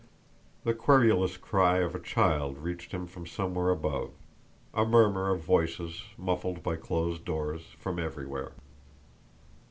The querulous cry of a child reached him from somewhere above a murmur of voices, muffled by closed doors, from everywhere.